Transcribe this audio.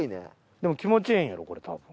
でも気持ちええんやろこれたぶん。